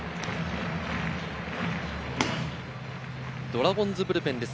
ドラゴンズブルペンです。